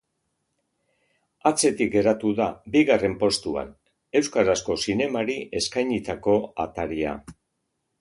Atzetik geratu da, bigarren postuan, euskarazko zinemari eskainitako ataria.